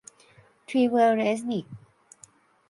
ทรีเวอร์ เรซนิค